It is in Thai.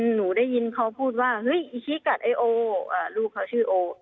หนูได้ยินเขาพูดว่าเฮ้ยอีชิกัดไอโอลูกเขาชื่อโอ